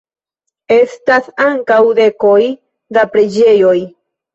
Estas ankaŭ dekoj da preĝejoj.